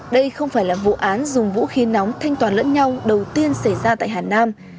đây không phải là vụ án dùng vũ khí nóng thanh toán lẫn nhau đầu tiên xảy ra tại hà nam